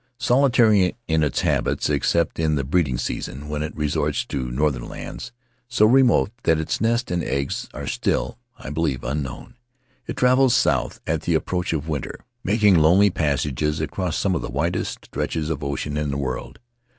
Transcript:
Solitary in its habits, except in the breeding season, when it resorts to northern lands so remote that its nest and eggs are still (I believe) unknown, it travels south at the approach of winter, making lonely passages across some of the widest stretches of ocean in the world